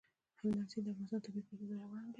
هلمند سیند د افغانستان د طبیعي پدیدو یو رنګ دی.